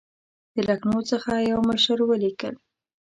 د لکنهو څخه یوه مشر ولیکل.